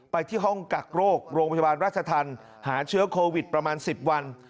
ไปที่ห้องกักโรคโรงพยาบาลราชธรรมหาเชื้อโควิดประมาณ๑๐วัน